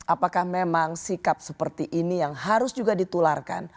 apakah memang sikap seperti ini yang harus juga ditularkan